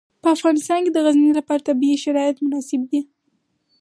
په افغانستان کې د غزني لپاره طبیعي شرایط مناسب دي.